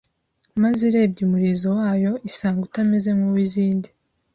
maze irebye umulizo wayo isanga utameze nk'uw'izindi